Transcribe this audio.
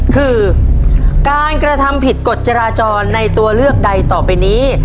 คือการกระทำผิดกฎจราจรในตัวเลือกใดต่อไปนี้